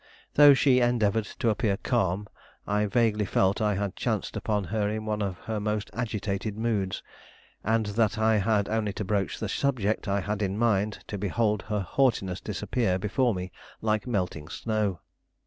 Though she endeavored to appear calm, I vaguely felt I had chanced upon her in one of her most agitated moods, and that I had only to broach the subject I had in mind to behold her haughtiness disappear before me like melting snow.